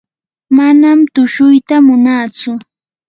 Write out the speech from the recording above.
manam tushuyta munantsu.